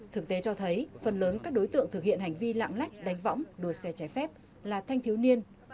thực tế cho thấy phần lớn các đối tượng thực hiện hành vi lạng lách đánh võng đua xe trái phép là thanh thiếu niên